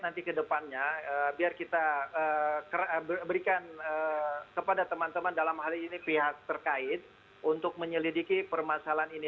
nanti ke depannya biar kita berikan kepada teman teman dalam hal ini pihak terkait untuk menyelidiki permasalahan ini